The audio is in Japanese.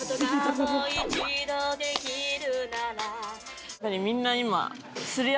もう一度できるならみんな今。